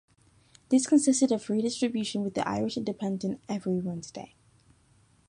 This consisted of free distribution with the "Irish Independent" every Wednesday.